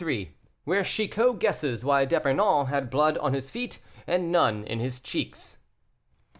WHERE CHICOT GUESSES WHY D'EPERNON HAD BLOOD ON HIS FEET AND NONE IN HIS CHEEKS.